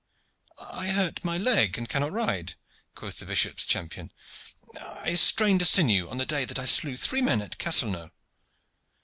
"I hurt my leg and cannot ride," quoth the bishop's champion. "I strained a sinew on the day that I slew the three men at Castelnau."